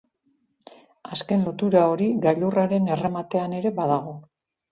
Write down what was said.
Azken lotura hori gailurraren errematean ere badago.